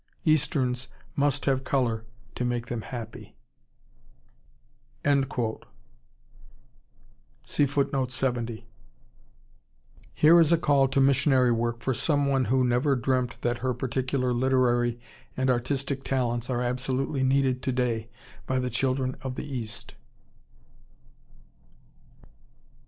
Easterns must have color to make them happy!" Here is a call to missionary work for some one who never dreamt that her particular literary and artistic talents are absolutely needed today by the children of the East.